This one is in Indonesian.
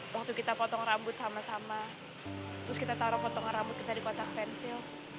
waktu kita potong rambut sama sama terus kita taruh potongan rambut kita di kotak pensil